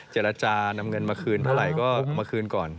เจรจานำเงินมาคืนเท่าไหร่ก็เอามาคืนก่อน